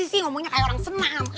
bu messi sih ngomongnya kayak orang senam